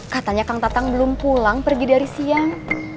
katanya kang tatang belum pulang pergi dari siang